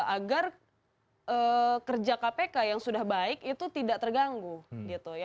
agar kerja kpk yang sudah baik itu tidak terganggu gitu ya